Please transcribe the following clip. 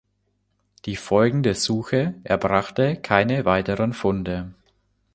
Die folgende Suche erbrachte keine weiteren Funde.